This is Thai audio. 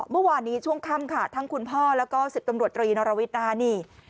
เมื่อวานนี้ช่วงค่ำค่ะทั้งคุณพ่อแล้วก็๑๐ตำรวจตรีนรวิทย์นะคะนี่